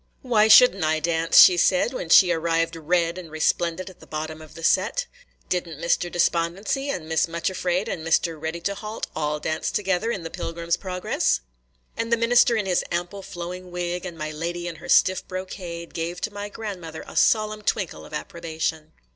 "Why should n't I dance?" she said, when she arrived red and resplendent at the bottom of the set. "Didn't Mr. Despondency and Miss Muchafraid and Mr. Readytohalt all dance together in the Pilgrim's Progress?" – and the minister in his ample flowing wig, and my lady in her stiff brocade, gave to my grandmother a solemn twinkle of approbation.